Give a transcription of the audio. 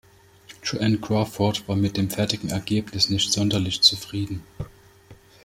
Joan Crawford war mit dem fertigen Ergebnis nicht sonderlich zufrieden.